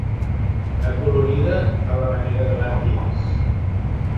Acolorida a la manera de l'arc iris.